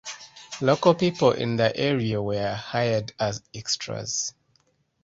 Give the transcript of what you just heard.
Local people in the area were hired as extras.